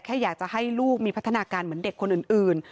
แค่อยากจะให้ลูกมีพัฒนาการเหมือนเด็กคนอื่น